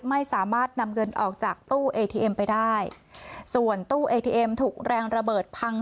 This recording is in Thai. ไม่สามารถนำเงินออกจากตู้เอทีเอ็มไปได้ส่วนตู้เอทีเอ็มถูกแรงระเบิดพัง